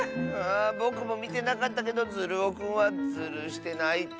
ぼくもみてなかったけどズルオくんはズルしてないっていうし。